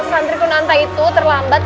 sandri pun nanti itu terlambat